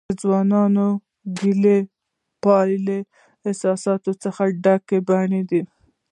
د ځوانکیو، ګلالیو پانو د احساساتو څخه ډک بڼوڼه